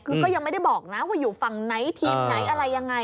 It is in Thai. คือก็ยังไม่ได้บอกนะว่าอยู่ฝั่งไหนทีมไหนอะไรยังไง